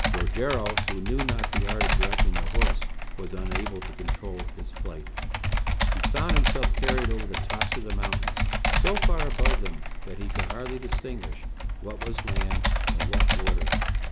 Rogero, who knew not the art of directing the horse, was unable to control his flight. He found himself carried over the tops of the mountains, so far above them that he could hardly distinguish what was land and what water.